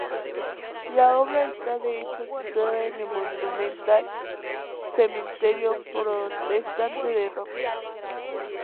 La obra está de hecho situada en el monumental cementerio protestante de Roma.